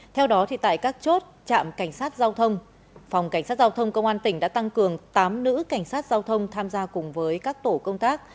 theo đó tại các chốt trạm cảnh sát giao thông phòng cảnh sát giao thông công an tỉnh đã tăng cường tám nữ cảnh sát giao thông tham gia cùng với các tổ công tác